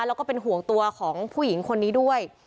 แล้วก็เป็นห่วงตัวของผู้หญิงคนนี้ด้วย